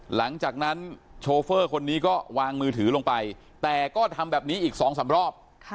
หลังจากนั้นคนนี้ก็วางมือถือลงไปแต่ก็ทำแบบนี้อีกสองสามรอบค่ะ